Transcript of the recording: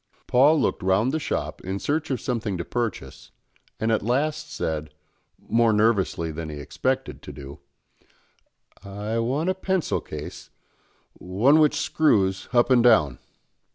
Paul looked round the shop in search of something to purchase, and at last said, more nervously than he expected to do, "I want a pencil case, one which screws up and down."